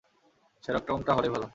সেরকমটা হলেই ভালো!